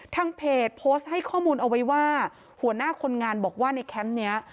ทางเพจโพสต์ให้ข้อมูลเอาไว้ว่าหัวหน้าคนงานบอกว่าในแคมป์นี้